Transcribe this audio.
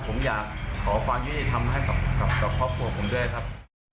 ผมอยากขอความยุติธรรมให้กับครอบครัวผมด้วยครับ